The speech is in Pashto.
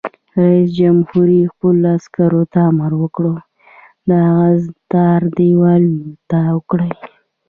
رئیس جمهور خپلو عسکرو ته امر وکړ؛ د اغزن تار دیوالونه تاو کړئ!